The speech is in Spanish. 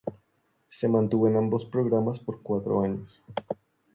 Se mantuvo en ambos programas por cuatro años.